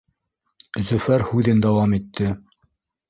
Зөфәр һүҙен дауам итте: